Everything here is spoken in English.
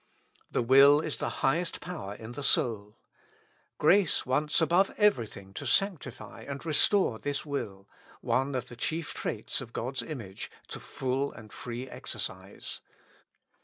The will is the highest power in the soul ; grace wants above everything to sanctify and restore this will, one of the chief traits of God's image, to full and free exercise.